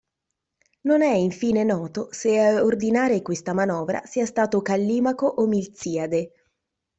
Non è infine noto se a ordinare questa manovra sia stato Callimaco o Milziade.